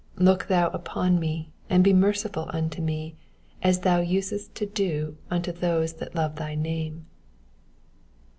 132 Look thou upon me, and be merciful unto me, as thou usest to do unto those that love thy name.